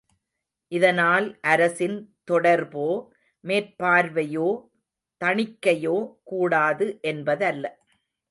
இதனால் அரசின் தொடர்போ, மேற்பார்வையோ, தணிக்கையோ கூடாது என்பதல்ல.